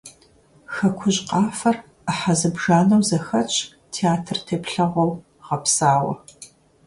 «Хэкужь къафэр» Ӏыхьэ зыбжанэу зэхэтщ, театр теплъэгъуэу гъэпсауэ.